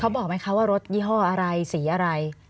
บอกไหมคะว่ารถยี่ห้ออะไรสีอะไร